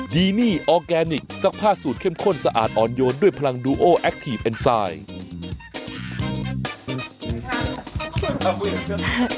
ดีนี่ออร์แกนิคซักผ้าสูตรเข้มข้นสะอาดอ่อนโยนด้วยพลังดูโอแอคทีฟเอ็นไซด์